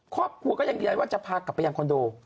ครอบครัวก็ยังยืนยันว่าจะพากลับไปยังคอนโด